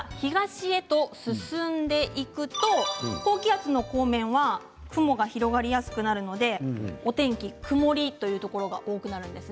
ただこの高気圧が東へと進んでいきますと高気圧の後面は雲が広がりやすくなりますのでここ天気が曇りというところが多くなります。